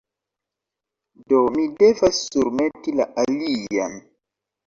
Do, mi devas surmeti la alian